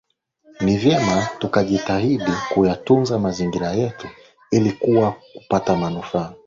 Ni vyema tukajitahidi kuyatunza mazingira yetu ili kuweza kupata manufaa